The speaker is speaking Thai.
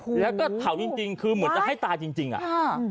แล้วก็เผ่าจริงคือเหมือนจะให้ตายจริงอ่ะ